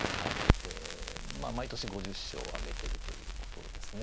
でまあ毎年５０勝挙げてるということですね。